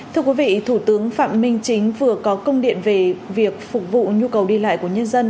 thưa quý vị thủ tướng phạm minh chính vừa có công điện về việc phục vụ nhu cầu đi lại của nhân dân